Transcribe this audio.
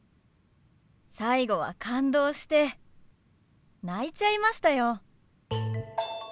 最後は感動して泣いちゃいましたよ。